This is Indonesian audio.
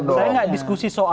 saya gak diskusi soal